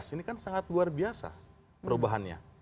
ini kan sangat luar biasa perubahannya